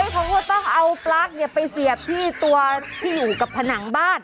เขาก็ต้องเอาปลั๊กไปเสียบที่ตัวที่อยู่กับผนังบ้าน